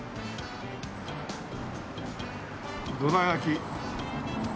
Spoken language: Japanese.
「どら焼き」